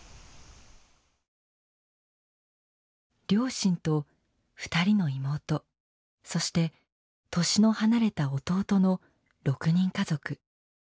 両親と２人の妹そして年の離れた弟の６人家族。